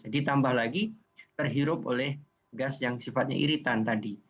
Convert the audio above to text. ditambah lagi terhirup oleh gas yang sifatnya iritan tadi